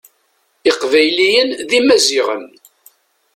Iqbayliyen d imaziɣen.